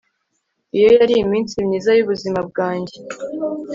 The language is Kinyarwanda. iyo yari iminsi myiza y'ubuzima bwanjye